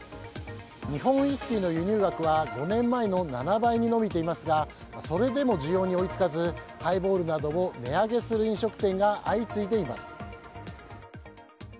日本ウイスキーの輸入額は５年前の７倍に伸びていますがそれでも需要に追い付かずハイボールなどを値上げする飲食店が相次いでいます。